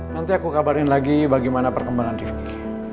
nanti aku kabarin lagi bagaimana perkembangan rifki